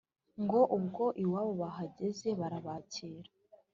Ngo ubwo iwabo bahageze barabakira